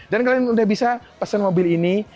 dan kalian udah bisa pesen mobil ini